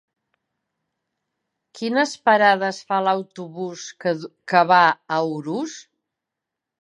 Quines parades fa l'autobús que va a Urús?